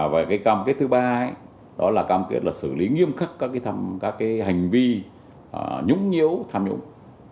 về cái cam kết thứ ba đó là cam kết là xử lý nghiêm khắc các hành vi nhũng nhiếu tham nhũng